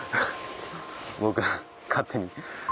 僕が勝手に。